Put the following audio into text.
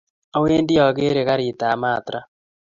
Awendi akere karit ab maaat raa